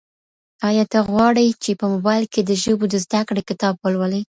ایا ته غواړې چي په موبایل کي د ژبو د زده کړې کتاب ولولي؟